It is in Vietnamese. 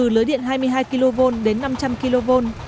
lưới điện hai mươi hai kv đến năm trăm linh kv